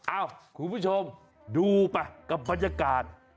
อ้าวคุณผู้ชมดูป่ะกับบรรยากาศ